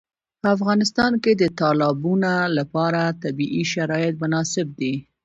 په افغانستان کې د تالابونه لپاره طبیعي شرایط مناسب دي.